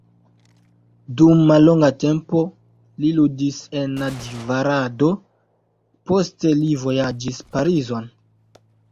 Dum mallonga tempo li ludis en Nadjvarado, poste li vojaĝis Parizon.